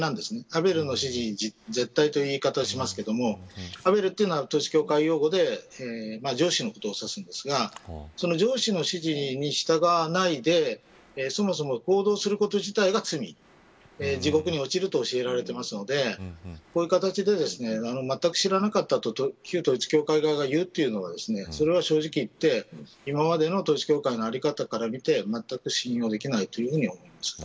アベルの指示に絶対という言い方をしますがというのは統一教会用語で上司のことを指すんですがその上司の指示に従わないでそもそも行動すること自体が罪地獄に落ちると教えられていますのでこういう形でまったく知らなかったと旧統一教会側が言うというのはそれは正直言って今までの統一教会の在り方から見てまったく信用できないと思います。